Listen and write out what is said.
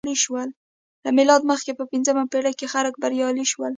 له میلاده مخکې په پنځمه پېړۍ کې خلک بریالي شول